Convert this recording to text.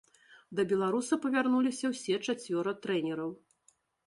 Да беларуса павярнуліся ўсе чацвёра трэнераў.